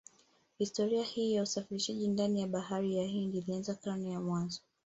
Historia hii ya usafirishaji ndani ya bahari ya Hindi ilianza karne za mwanzo